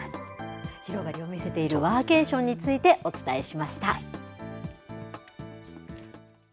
広がりを見せているワーケーションについてお伝えしました。